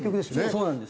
そうなんです。